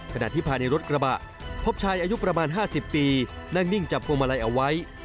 ขณะที่ภายในรถกระบะพบชายอายุประมาณ๕๐ปีนั่งนิ่งจับพวงมาลัยเอาไว้